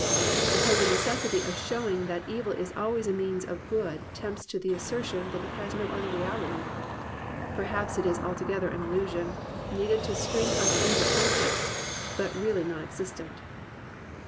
The supposed necessity of show ing that evil is always a means to good tempts to the assertion that it has no other reality. Perhaps it is altogether an illusion, needed to sting us into conflict, but really non existent.